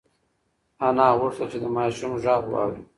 انا غوښتل چې د ماشوم غږ واوري.